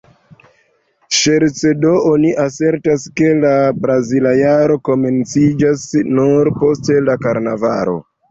Ŝerce do oni asertas, ke la brazila jaro komenciĝas nur post karnavalo.